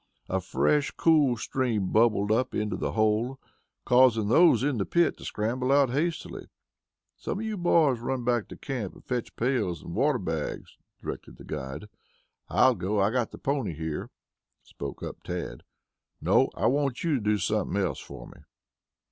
A fresh, cool stream bubbled up into the hole, causing those in the pit to scramble out hastily. "Some of you boys run back to camp and fetch pails and water bags," directed the guide. "I'll go. I've got the pony here," spoke up Tad. "No; I want you to do something else for me."